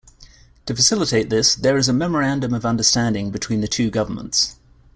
To facilitate this, there is a memorandum of understanding between the two governments.